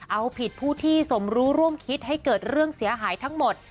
เอาผิดผู้ที่สมรู้ร่วมคิดให้เกิดเรื่องเสียหายทั้งหมด